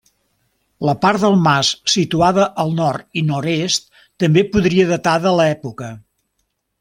La part del mas situada al nord i nord-est també podria datar de l'època.